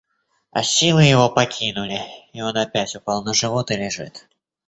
А силы его покинули, и он опять упал на живот и лежит.